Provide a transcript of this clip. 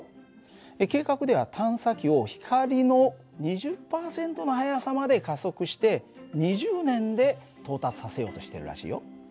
計画では探査機を光の２０％の速さまで加速して２０年で到達させようとしてるらしいよ。